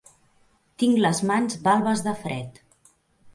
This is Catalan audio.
Tinc les mans balbes de fred.